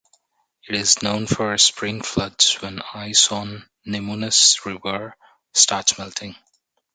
It is known for spring floods when ice on Nemunas River starts melting.